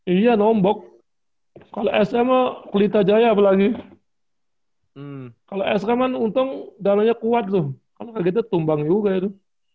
iya iya nombok kalau sma kelita jaya apalagi kalau sma kan untung dalemannya kuat tuh kalau kayak gitu tumbang juga itu